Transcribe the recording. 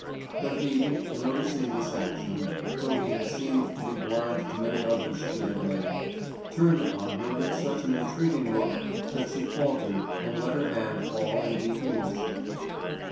But he, noticing this action, though he had seemed to be blind to many others she had made, turned upon her with such an entreating look that she faltered and let her hand fall in deep emotion.